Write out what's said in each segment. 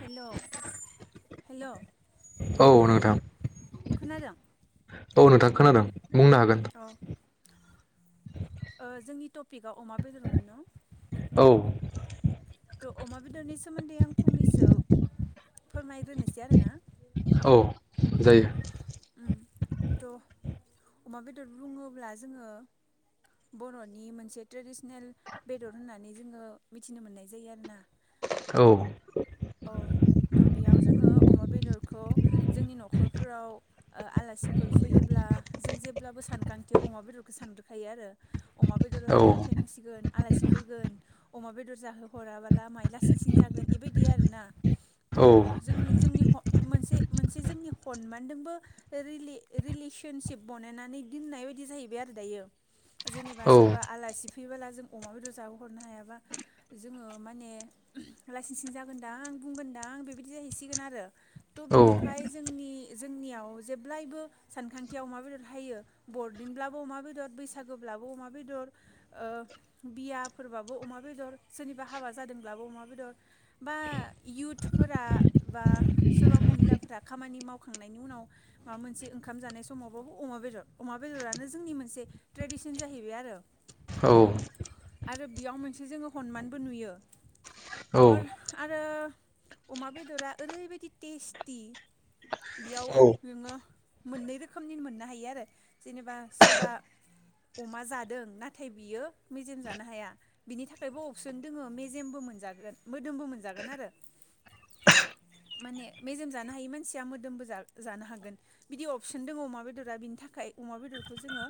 Hello hello औ नोंथां खोनादों औ नोंथां खोनादों बुंनो हागोन अ ओ जोंनि टपिकआव अमा बेदरमोन न' औ थ अमा बेदरनि सोमोन्दै आं फंनैसो फोरमायग्रोनोसै आरोना औ जायो थ अमा बेदर बुङोब्ला जोङो बरनि मोनसे ट्रेडिसनेल बेदर होननानै जोङो मिथिनो मोननाय जायो आरो ना औ अ थ बेयाव जोङो अमा बेदरखौ जोंनि नखरफोराव ओ आलासिफोर फैयोब्ला जों जेब्लाबो सानखांथियाव अमा बेदरखौ सानग्रोखायो आरो अमा बेदर औ लायनानै फैनांसिगोन आलासि फैगोन अमा बेदर जाहो हराबोला माइ लासिं सिं जागोन बेबायदि बिदि आरो ना। औ थ जोंनि जोंनि मोनसे मोनसे जोंनि हनमानदोंबो रिलेसनसिप बानायनानै दोननाय बायदि जाहैबाय आरो दायो। जेनेबा औ सोरबा आलासि फैबोला जों अमा बेदर जाबो हरनो हायाबा जोङो माने लाइसिं सिं जागोन बुंगोनदां बुंगोनदां आं बेबायदि जाहैसिगोन आरो थबिनिखाय जोंनि जोंनियाव जेब्लायबो सानखांथियाव अमा बेदर हायो बरदिनब्लाबो अमा बेदर बैसागुब्लाबो अमा बेदर ओ बियाफोरबाबो अमा बेदर सोरनिबा हाबा जादोंब्लाबो अमा बेदर बा युथफोरा बा सोरबा महिलाफोरा खामानि मावखांनायनि उनाव माबा मोनसे ओंखाम जानाय समावबाबो अमा बेदर अमा बेदरानो जोंनि मोनसे ट्रेडिसन जाहैबाय आरो, आरो बेयाव मोनसे जोङो हनमानबो नुयो अर आरो अमा बेदरा ओरैबायदि टेस्टि बेयाव औ नोङो मोननै रोखोमनिनो मोननो हायो आरो जेनेबा सोरबा अमा जादों नाथाय बियो मेजेम जानो हाया बिनि थाखायबो अपसन दोङो मेजेमबो मोनजागोन मोदोमबो मोनजागोन आरो माने मेजेम जानो हायिया मोदोमबो जानोहागोन बिदि अफसन दङ अमा बेदरा बिनिथाय जोङो अमा बेदेरखौजोङो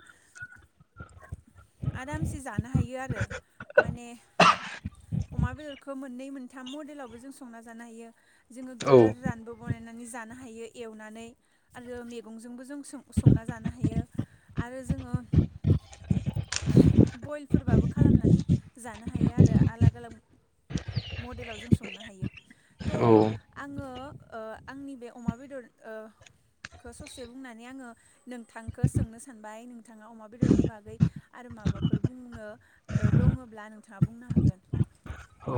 आरामसे जानो हायो आरो माने अमा बेदरखौ मोननै थाम मडेलावबो जों संना जानो हायो जोङो औ गोरानबो बानायनानै जानो हायो एवनानै आरो मैगंजोंबो जों संना जानो हायो आरो जोङो बइलफोरबाबो खालामनानै जानो हायो आरो आलाग आलाग मडेलाव जों संनो हायो थ औ आङो ओ आंनि बे अमा बेदरखौ ओ ससे बुंनानै आङो नोंथांखौ सोंनो सानबाय नोंथाङा अमा बेदरनि बागै आरो माबाफोर बुंनो दङब्ला नोंथाङा बुंनो हागोन। औ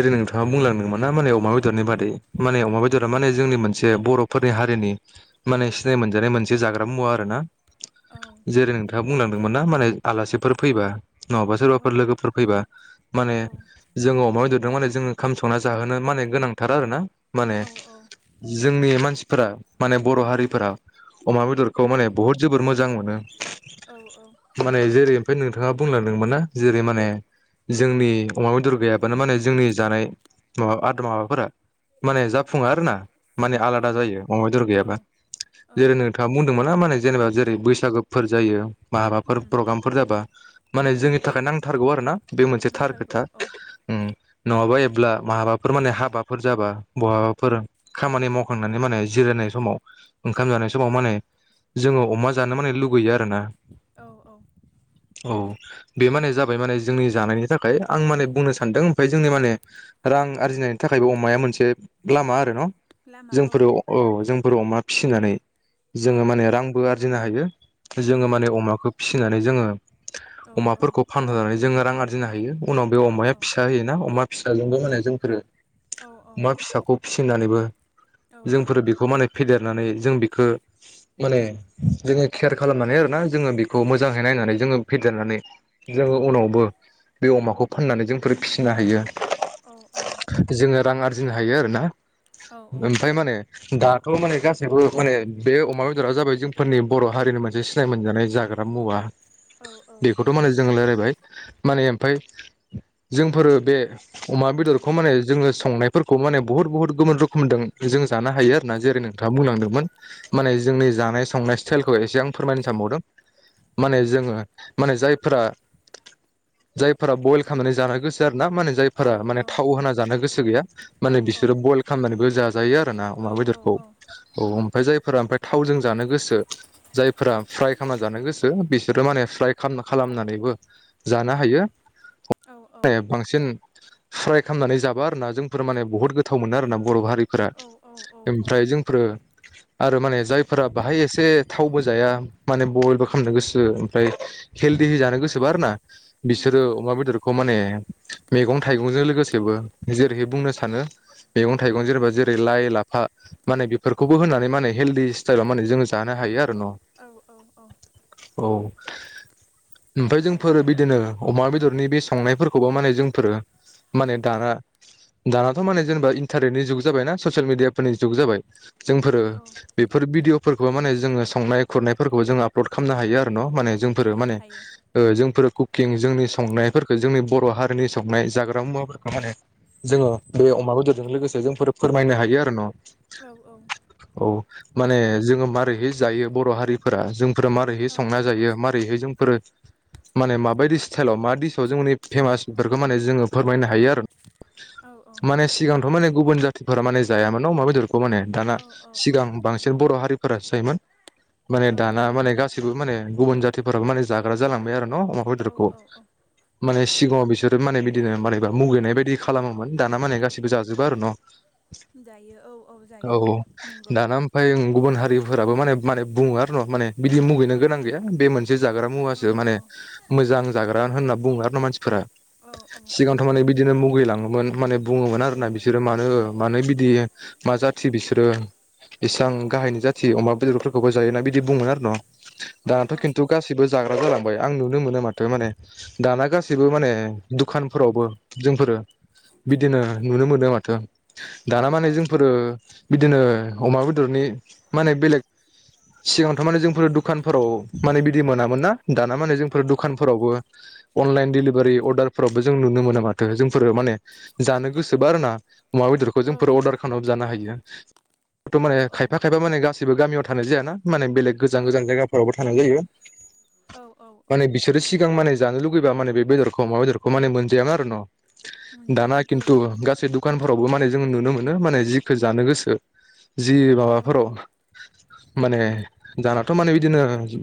जेरै नोंथाङा बुंलांदोंमोन ना माने अमा बेदरनि बादै माने अमा बेदरा माने जोंनि मोनसे बर'फोरनि हारिनि माने सिनाय मोनजानाय मोनसे जाग्रा मुवा आर ना। औ जेरै नोंथां बुंनांदोंमोन ना माने आलासिफोर फैबा नङाबा औ सोरबाफोर लोगोफोर फैबा माने औ जोंङो अमा बेदर माने जोङो खाम संना जाहोनो माने गोनांथार आरो ना। माने औ औ जोंनि मानसि फोर माने बर'हारिफोरा अमा बेदरखौ औ माने बहुत जोबोद मोजां मोनो औ औ माने जेरै ओमफफ्राय नोंथाङा बुंलांदोंमोन ना जेरै माने जोंनि अमा बेदर गैयाबानो माने जोंनि जानाय माबा आद माबाफोरा माने जाफुङो आरो ना माने औ आलादा जायो अमा बेदर औ गैयाबा औ जेरै नोंथाङा बुं दोंमोन ना माने जेनेबा जेरै बैसागुफोर जायो‌। माबाफोर उम प्रग्रामफोर जाबा माने उम जोंनि थाखाय नांथारगौ आरो ना बे मोनसे थार नांथारगौ खोथा औ उम। नङाबा एब्ला महाबाफोर माने हाबाफोर जाबा बहाबाफोर खामानि मावखांनानै माने जिरायनाय समाव ओंखाम औ जानाय समाव माने जोङो अमा जानो माने लु गैयो आरोना औ औ औ बे माने जाबाय माने जोंनि जानायनि थाखाय आं माने बुंनो सानदों बे जोंनि माने रां आरजिनायनि थाखायबो अमाया मोनसे लामा आरो न लामा औ जोंफोरो औ जों अमा फिसिनानै औ जोङो औ माने रांबो आरजिनो हायो। [inaudible] औ जोङो माने अमाखौ फिसिनानै जोङो औ अमाफोरखौ फानहरनानै जोङो रां आरजिनो हायो उनाव बे औ अमाया औ फिसा अमा फिसाजोंबो माने जोंफोरो औ अमा फिसाखौ फिसिनानैबो जोंफोरो बेखौ माने फेदेरनानै जों बेखो माने जोङो केयार खालामनानै आरोना जोङो बेखौ मोजाङै नायनानै जोङो फेदेरनानै जोङो उनावबो बे अमाखौ फाननानै जों बेफोर फिसिनो हायो। औ जोङो रां आरजि जों हायो आरो ना? ओमफ्राय माने दाथ' माने गासैबो माने बे अमा बेदरा जाबाय जोंफोरनि बर' हारिनि मोनसे सिनाय मोनजानाय जाग्रा मुवा। बेखौथ' माने जों रायलायबाय। माने ओमफाय जोंफोरो बे अमा बेदरखौ माने जोङो संनायफोरखौ माने बुहुद बुहुत गुबुन रोखोमजों जों जानो हायो आरो ना जेरै नोंथाङा बुंलांदोंमोन माने जोंनि जानाय संनाय स्टाइलखौ एसे आं फोरमायनो सानबावदों माने जोङो माने जायफोरा जायफोरा बयल खालामनानै जानाय गो सार। ना माने जायफोरा माने थाव होना जानो गोसो गैया औ माने बिसोरो बयल खालामनानैबो जाजायो आरोना औ अमा औ बेदरखौ औ नंगौ ओमफ्राय जायफोरा ओमफ्राय थावजों जानो गोसो जायफोरा फ्राय खालामना जानो गोसो बिसोरो माने फ्राय खालामनानैबो जानो हायो। औ बांसिन फ्राय खामनानै जाबा आरो ना जोंफोर माने बुहुत गोथाव मोनो आरो ना। बर' हारिफोरा औ औ ओमफ्राय जोंफोर आरो माने जायफोरा बाहाय एसे थावबो जाया माने बयलबो खालामनो गोसो ओमफ्राय हेलदि जानो गोसोबा आरो ना उम बिसोरो उम अमा बेदर खौ माने मैगं थाइगंजों लोगोसेबो जेरैहाय बुंनो सानो मैगं थाइगं जेनेबा जेरै लाइ लाफा माने बेफोरखौबो होनानै माने हेलदि स्टाइलाव माने जोङो जानो हायो आरो। न' औ औ औ। औ ओमफ्राय जोंफोर बिदिनो अमा बेदरनि बेस थांनायफोरखौबो माने जोंफोरो माने दाना दानाथ' माने जेनेबा इन्टारनेटनि जुग जाबाय ना ससियेल मिडियाफोरनि जुग जाबाय। औ जोंफोरो औ बेफोर भिडिअ फोरखौ माने जोङो संनाय खुरनायफोरखौ जोङो आपलड खालामनो हायो आरो न' माने जोंफोरो हायो माने हायो ओ जोंफोरो खुख किंजोंनि संनाय फोरखो जोंनि बर' हारिनि संनाय जाग्रा मुवाफोरखौ माने जोङो बे अमा बेदरजों लोगोसे जोंफोर फोरमायनो हायो आरो न' औ औ औ माने जोङो मारैहै जायो बर' हारिफोरा जों फोरा मारैहै औ संना जायो मारै थैहै जोंफोरो माने माबायदि स्थाइलाव मा दिस खौ जोंनि फेमासफोरखौ माने जोङो औ फोरमायनो हायो आरो औ माने सिगांथ' माने गुबुन जाथ फोरा माने जाया मोन न अमा बेदर [unintelligible] माने दाना औ औ सिगां बांसिन बर' हारि फोरा सैमोन माने दाना माने गासिबो माने गुबुन जाथिफोराबो माने जाग्रा जालांबाय आरो न अमा औ बेदरखौ औ औ माने सिगाङाव बिसोरो माने बिदिनो मारैबा मुगैनाय बायदि खालामोमोन दाना माने गासिबो जाजोबो आरो न' जायो औ औ जायो नंगौ दाना ओमफ्राय गुबुन हारिफोराबो माने माने बुङो आरो न' माने बिदि औ मुगैनो औ गोनां गैया बे मोनसे जाग्रा औ मुवासो माने औ मोजां जाग्रा होनना [unintelligible] उनाव मानसिफोरा औ औ औ सिगांथ' माने बिदिनो मुगैलाङोमोन माने बुङोमोन आरोना मुगैयोमोन बिसोरो मानो उम मानो बिदि मा जाथि बिसोरो इसां गाहायनि जाथि अमा बेदरफोरखौबो जायोना बिदि बुङोमोन आरो न' औ दानाथ' औ खिन्थु गासिबो जाग्रा जालां बाय आं नुनो मोनो माथो माने दाना गासि बो माने दुखानफोरावबो जोंफोरो बिदिनो नुनो मोनो माथो औ दाना माने औ जोंफोरो बिदिनो अमा बेदरनि माने बेलेग सिगांथ' माने जोंफोर दुखानफोराव माने बिदि मोनामोन ना दाना माने औ जोंफोर दुखानफोरावबो अनलाइन डेलिभारि अर्डारफोरावबो जों नुनो मोनो माथो जोंफोरो माने जानो गोसोबा आरोना अमा बेदरखौ औ जोंफोर अर्डार खालामनाबाबो जानो हायो बेथ' माने औ खायफा खायफा माने गासै बो गामियाव थानाय जाया ना माने बेलेग गोजान गोजान जायगाफोरावबो थानाय जायो औ औ औ माने बिसोरो सिगां माने जानो लुगैबा माने बेदरखौ अमा बेदरखौ माने मोनजायामोन आरो न दाना मोनजायामोन औ खिन्थु गासै दु खानफोरावबो माने जों नुनो मोनो माने जिखौ जानो गोसो। जि औ माबाफोराव माने दाना थ माने बिदिनो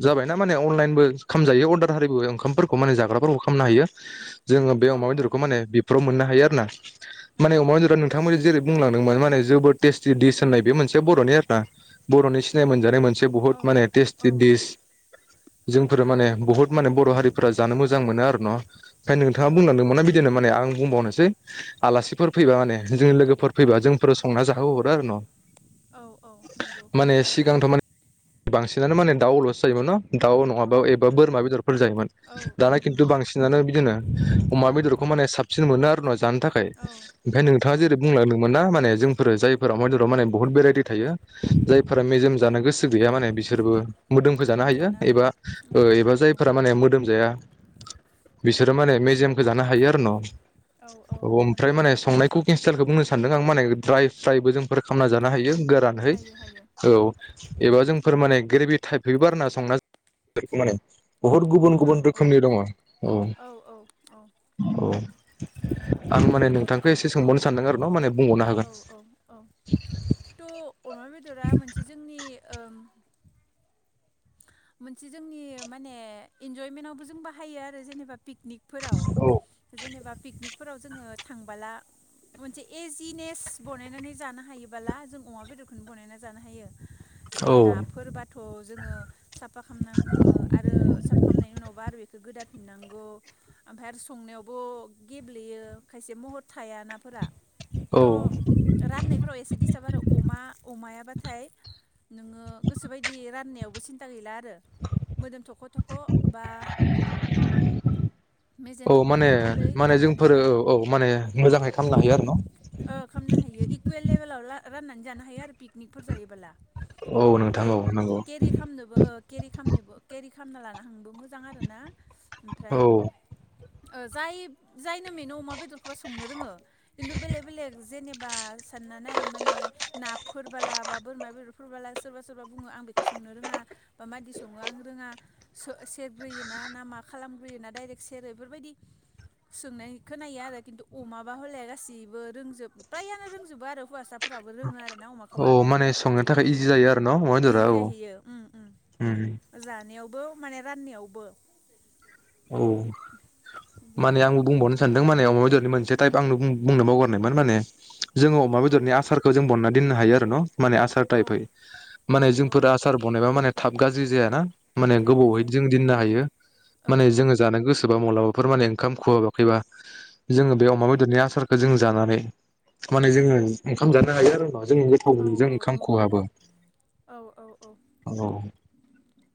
जाबायना माने अनलाइनबो खालाम जायो अर्दार हारिबो ओंखामफोरखौ माने जाग्राफोरखौ खालामनो हायो। जोङो बे औ अमा बेदरखौ माने बे फ्राव मोननो हायो आरो ना। माने अमा बेदरा औ नोंथाङा जेरै बुंलांदोंमोन माने जोबोद टेस्टि डिस होननाय बे मोनसे बर'नि आरोना बर'नि सिनाय मोनजानाय मोनसे बहुद औ औ माने टेस्टि औ डिस। जोंफोर माने बुहुद माने बर' हारिफोरा जानो मोजां मोनो आरो। न ओफ्राय नोंथाङा नंगौ बुंलांदोंमोना बिदिनो माने आं आं बुंबावनोसै आलासिफोर फैबा माने जोंनि लोगोफोर फैब्ला जोंफोर संना जाहोहरो आरो न। औ औ नंगौ। माने सिगांथ' माने बांसिनानो माने दाउ लसो जायोमोन न। दाउ औ नङाबा एबा बोरमा बेदरफोर जायोमोन औ औ दाना खिन्थु नंगौ बांसिनानो बिदिनो अमा औ बेदरखौ माने साबसिन मोनो आरो न जानो थाखाय औ ओमफ्राय औ नोंथाङा औ जेरै बुंलांदोंमोन ना माने जोंफोर जायफोरा अमा बेदराव माने बुहुत भेरायटि थायो जायफोरा मेजेम जानो गोसो गैया माने बिसोरबो मोदोमखौ जानो हायो एबा उम ओ औ एबा औ जायफोरा माने मोदोम जाया बिसोरो माने मेजे जेमखौ जानो हायो आरो न। औ औ अ ओमफ्राय नंगौ माने संनायखौ स्टाइलखौ बुंनो सै सानदों आं माने ड्राय फ्राइबो जोंफोर खालामना जानो हायो। रानहै हायो हायो औ। एबा जोंफोर माने ग्रेबि टाइपनिबो आरोना संना [inaudible] माने बुहुद गुबुन औ गुबुन औ रोखोमनि दङ औ औ औ औ औ। आं माने थ' नोंथांखौ एसे सोंबावनो सानदों आरो। न माने बुंबावनो औ हागोन औ औ थ‌ अमा बेद रा मोनसे जोंनि ओम मोनसे जोंनि माने इन्जयमेन्टावबो जों बाहायो आरो जेनेबा पिकनिकफोराव जेनेबा पिकनिक फोराव जोङो थांबोला मोनसे इजिनेस बानायनानै जानो हायोबोला जों अमा बेदरखौनो बानायनानै जानो हायो। जेरै औ नाफोरबाथ' जोङो साफा खालामनाङो आरो साफा खालामनायनि उनावबा आरो बेखौ गोदाफिननांगौ ओमफ्राय आरो संनायावबो गेब्लेयो खायसे महर थाया औ त राननायफ्राव एसे डिस्टाब आरो अमा अमाया बाथाय नोंङो गोसो बायदि राननायाव [inaudible] सिन्था गैला आर रो मोदोम थख' थख' बा मेजेम औ थख' माने थख'है माने लानानै जोंफोरो ओ औ औ माने मोजाङै खालामनो हायो आरो न' ओ खामनो हायो इकुयेल लेबेलाव ला राननानै जानो हायो आरो पिकनिकफोर जायोबोला। औ नोंथां औ नंगौ। खामनोबो ओ केरि खामनोबो केरि खामना लाना थांनोबो मोजां आरोना। ओमफ्राय औ ओ जाय जायनो मोनो अमा बेदरखौबा संनो रोङो खिन्थु बेलेग बेलेग जेनेबा सानना नाय माने नाफोरबाला बा बोरमा बेदरफोरबाला सोरबा सोरबा बुङो आं बेखौ संनो रोङा बा मादि सङो आं रोङा सो सेरग्रोयो ना ना मा खालामग्रोयोना दायरेक सेरो बेफोरबायदि सोंनाय खोनायो आरो। किनटु अमाबा हले गासिबो रोंजोब प्रायआनो रोंजोबो आरो हुवासा औ माने संनो थाखाय इजि जायो आरो न' अमा बेदरा औ। ओं उम ओं जानायाव बो माने राननायावबो। औ बिदि माने आरो आंबो बुंबावनो सानदों माने अमा बेदर नि मोनसे टाइप आं बुं-बुंनो बावगारनायमोन माने जोङो अमा औ बेदरनि आसारखो जों बननानै दोननो हायो आरो न'। माने आसार औ टाइपहै औ माने औ जोंफोर आसार बनायबा माने थाब गाज्रि जायाना। माने जाया गोबावहै जाया जों दिननो हायो। औ माने औ जोङो जानो गोसो बा मब्लाबाफोर माने ओंखाम खुहाबाखैबा जोङो औ बे औ अमा बेदरनि आसारखो जों जानानै माने जोङो ओंखाम जानो हायो आरो उनाव। जों गोथाव मोनो जों ओंखाम औ खहाबो औ।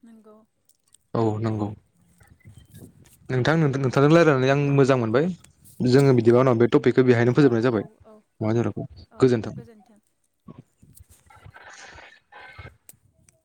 नोंगौ। औ नंगौ [inaudible] नोंथां नोंथांजों रायज्लायनानै आं मोजां मोनबाय। जोङो बिदिबा उनाव टपिकखो बेहायनो औ फोजोबनाय औ जाबाय औ औ अमा बेदरखौ औ गोजोनथों। गोजोन्थों